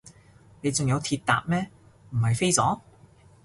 你仲有鐵搭咩，唔係飛咗？